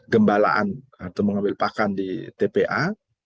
gembalaan atau mengambil pakan di tpa